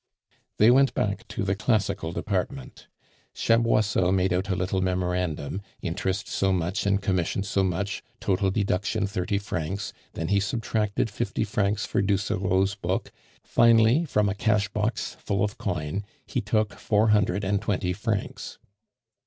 They went back to the classical department. Chaboisseau made out a little memorandum, interest so much and commission so much, total deduction thirty francs, then he subtracted fifty francs for Ducerceau's book; finally, from a cash box full of coin, he took four hundred and twenty francs.